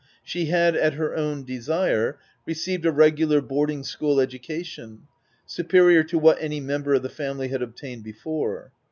She had at her own desire, received a regular boarding school education, superior to what any member of the family had obtained before.